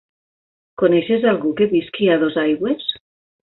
Coneixes algú que visqui a Dosaigües?